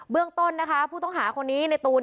เรื่องต้นนะคะผู้ต้องหาคนนี้ในตูน